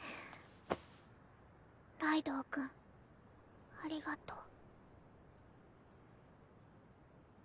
ライドウ君ありがとう。